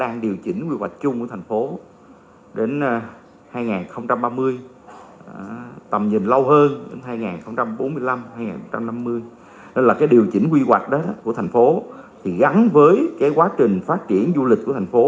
nó là điều chỉnh quy hoạch của thành phố gắn với quá trình phát triển du lịch của thành phố